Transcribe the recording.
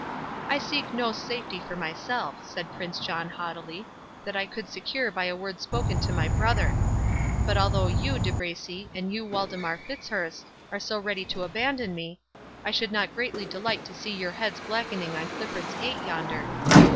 "I seek no safety for myself," said Prince John, haughtily; "that I could secure by a word spoken to my brother. But although you, De Bracy, and you, Waldemar Fitzurse, are so ready to abandon me, I should not greatly delight to see your heads blackening on Clifford's gate yonder.